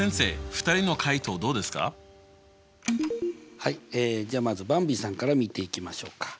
はいじゃあまずばんびさんから見ていきましょうか。